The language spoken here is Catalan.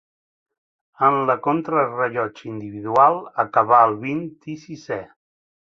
En la contrarellotge individual acabà el vint-i-sisè.